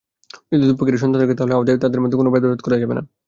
যদি দুপক্ষেরই সন্তান থাকে, তাহলে তাদের মধ্যে কোনো ভেদাভেদ করা যাবে না।